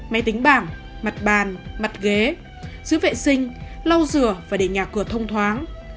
máy tính bảng mặt bàn mặt ghế giữ vệ sinh lau rửa và để nhà cửa thông thoáng